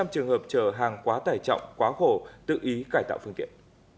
chín trăm linh trường hợp chở hàng quá tài trọng quá khổ tự ý cải tạo phương tiện